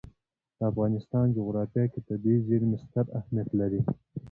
د افغانستان جغرافیه کې طبیعي زیرمې ستر اهمیت لري.